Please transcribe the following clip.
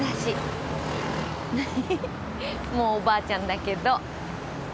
もうおばあちゃんだけど。